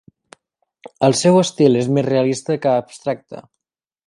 El seu estil és més realista que abstracte.